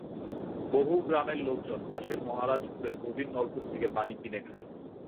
বহু গ্রামের লোকজন পাশের মহারাজপুরের গভীর নলকূপ থেকে পানি কিনে খান।